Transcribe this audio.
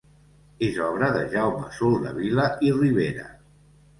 És obra de Jaume Soldevila i Ribera.